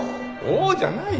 「お！」じゃない。